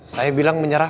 saya bilang menyerah